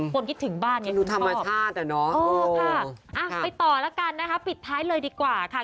คนคิดถึงบ้านอยากคุณชอบเออค่ะไปต่อแล้วกันนะคะปิดท้ายเลยดีกว่าค่ะ